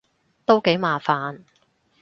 都幾麻煩